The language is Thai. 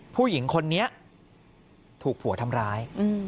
ผู้หญิงคนนี้ถูกผัวทำร้าย